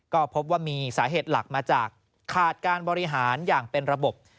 ก็พบว่ามีสาเหตุหลักมาจากขาดการบริหารอย่างเป็นระบบ